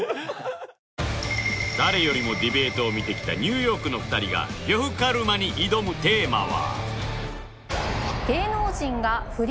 誰よりもディベートを見てきたニューヨークの２人が呂布カルマに挑むテーマは？